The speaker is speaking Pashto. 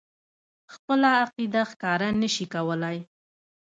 خپله عقیده ښکاره نه شي کولای.